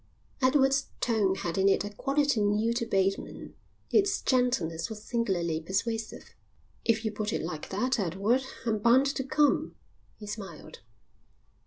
Edward's tone had in it a quality new to Bateman. Its gentleness was singularly persuasive. "If you put it like that, Edward, I'm bound to come," he smiled.